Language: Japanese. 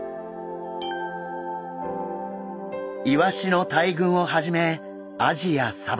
イワシの大群をはじめアジやサバ